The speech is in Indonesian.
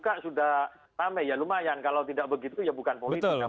karena sudah rame ya lumayan kalau tidak begitu ya bukan politik namanya